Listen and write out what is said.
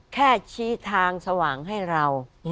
แค่ชี้ทางสว่างให้เรา